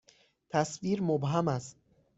تصویر مبهم است.